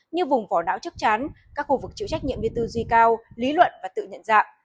như vùng vỏ não chất chán các khu vực chịu trách nhiệm viên tư duy cao lý luận và tự nhận dạng